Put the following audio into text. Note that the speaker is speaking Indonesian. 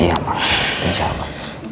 iya mbak insya allah